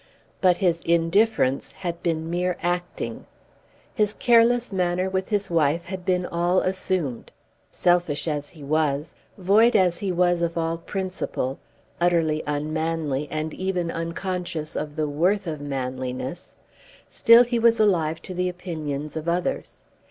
But his indifference had been mere acting. His careless manner with his wife had been all assumed. Selfish as he was, void as he was of all principle, utterly unmanly and even unconscious of the worth of manliness, still he was alive to the opinions of others.